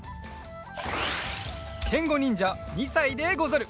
けんごにんじゃ２さいでござる。